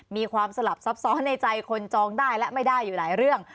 มีความสลับซับซ้อนในใจคนจองได้และไม่ได้อยู่หลายเรื่อง